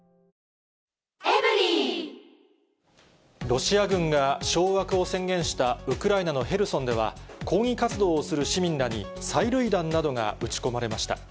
ロシア軍が掌握を宣言した、ウクライナのヘルソンでは、抗議活動をする市民らに、催涙弾などが撃ち込まれました。